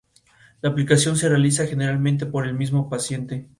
La aplicación se realiza generalmente por el mismo paciente.